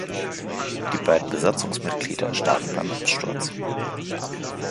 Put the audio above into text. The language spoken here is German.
Die beiden Besatzungsmitglieder starben beim Absturz.